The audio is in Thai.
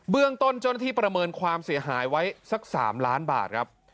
เรื่องต้นเจ้าหน้าที่ประเมินความเสียหายไว้สัก๓ล้านบาทครับ